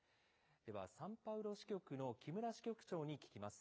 では、サンパウロ支局の木村支局長に聞きます。